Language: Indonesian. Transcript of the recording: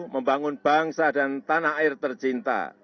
membangun bangsa dan tanah air tercinta